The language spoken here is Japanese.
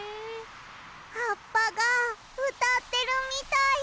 はっぱがうたってるみたい。